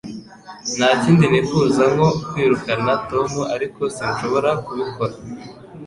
Nta kindi nifuza nko kwirukana Tom, ariko sinshobora kubikora.